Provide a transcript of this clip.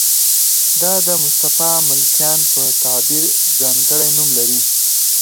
دا د مصطفی ملکیان په تعبیر ځانګړی نوم لري.